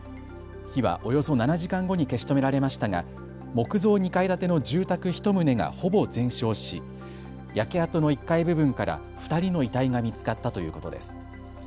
火はおよそ７時間後に消し止められましたが木造２階建ての住宅１棟がほぼ全焼し、焼け跡の１階部分から２人の遺体が見つかったということです。